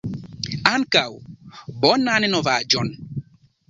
Ankaŭ! Bonan novaĵon!